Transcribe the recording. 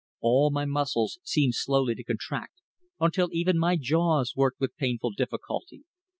All my muscles seemed slowly to contract, until even my jaws worked with painful difficulty.